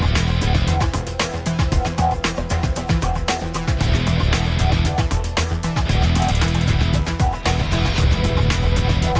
นี่คือสภาพหน้าบ้านหักโภคที่ต้องคอดออกมา